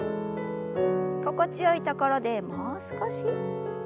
心地よいところでもう少し。